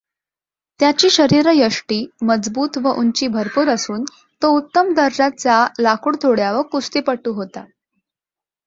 त्याची शरीरयष्टी मजबूत व उंची भरपूर असून तो उत्तम दर्जाचा लाकूडतोड्या व कुस्तीपटू होता.